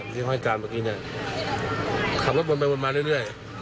ที่ค่อยการเมื่อกี้เนี้ยขับรถมันไปมันมาเรื่อยเรื่อย